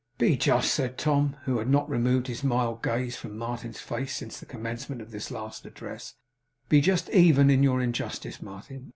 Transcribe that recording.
'Be just,' said Tom; who, had not removed his mild gaze from Martin's face since the commencement of this last address; 'be just even in your injustice, Martin.